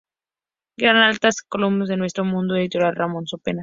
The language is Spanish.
Gran Atlas Columbus de Nuestro Mundo.Editorial Ramón Sopena.